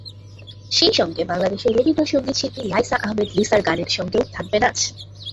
সেই সঙ্গে বাংলাদেশের রবীন্দ্রসংগীতশিল্পী লাইসা আহমেদ লিসার গানের সঙ্গেও থাকবে নাচ।